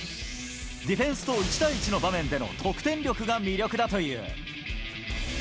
ディフェンスと１対１の場面での得点力が魅力だという。